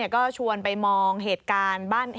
ก็ชวนไปมองเหตุการณ์